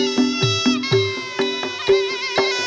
โชว์ที่สุดท้าย